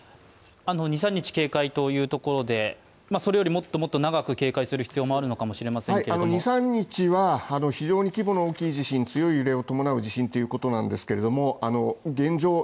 二、三日警戒というところでそれよりもっともっと長く警戒する必要もあるのかもしれません二、三日は非常に規模の大きい地震強い揺れを伴う地震ということなんですけれども現状